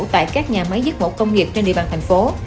tại các nhà máy giết mổ công nghiệp trên địa bàn thành phố